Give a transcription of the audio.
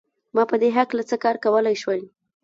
ما په دې هکله څه کار کولای شول